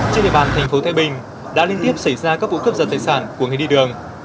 trên địa bàn thành phố thái bình đã liên tiếp xảy ra các vụ cướp giật tài sản của người đi đường